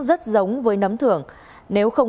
rất giống với nấm thường nếu không